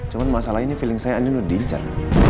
cuma masalah ini feeling saya andin udah diincar